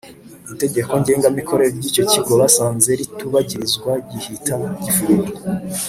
Itegeko ngenga mikorere ryicyo kigo basanze ritubagirizwa gihita gifungwa